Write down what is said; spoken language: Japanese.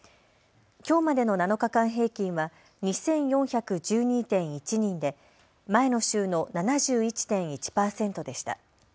きょうまでの７日間平均は２４１２．１人で前の週の７１．１％でした。